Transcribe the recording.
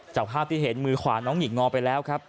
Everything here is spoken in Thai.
จากภาพที่เห็นมือขวาน้องหงิกงอไปแล้วครับ